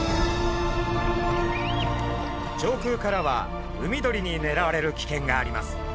上空からは海鳥にねらわれる危険があります。